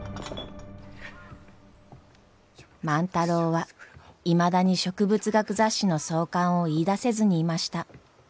万太郎はいまだに植物学雑誌の創刊を言いだせずにいました。